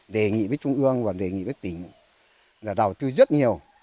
đề nghị với trung ương và đề nghị với tỉnh là đầu tư rất nhiều